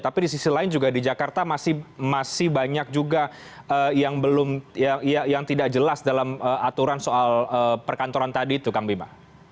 tapi di sisi lain juga di jakarta masih banyak juga yang tidak jelas dalam aturan soal perkantoran tadi itu kang bima